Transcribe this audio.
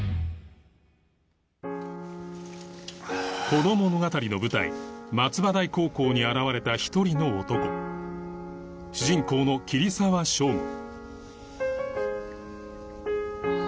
この物語の舞台松葉台高校に現れた一人の男主人公の桐沢祥吾